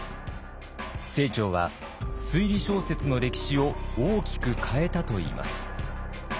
清張は推理小説の歴史を大きく変えたといいます。